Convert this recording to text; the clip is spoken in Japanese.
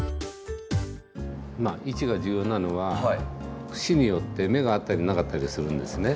位置が重要なのは節によって芽があったりなかったりするんですね。